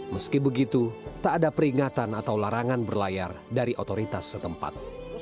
meski begitu tak ada peringatan atau larangan berlayar dari otoritas setempat